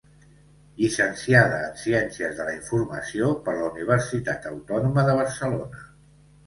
Llicenciada en Ciències de la Informació per la Universitat Autònoma de Barcelona.